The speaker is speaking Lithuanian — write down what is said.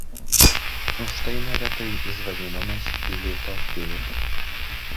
Už tai neretai jis vadinamas „Lito tėvu“.